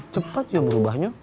cepat ya merubahnya